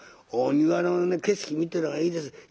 お庭の景色見てる方がいいです。